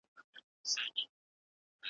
له ظالمه به مظلوم ساتل کېدلای .